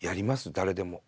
誰でも。